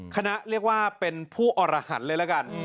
เรียกว่าเป็นผู้อรหันต์เลยละกัน